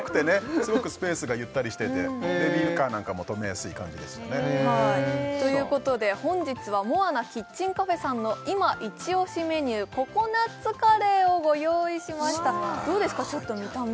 すごくスペースがゆったりしててベビーカーなんかもとめやすい感じでしたねということで本日はモアナキッチンカフェさんの今イチ押しメニューココナッツカレーをご用意しましたどうですか見た目？